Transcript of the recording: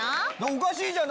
おかしいじゃん！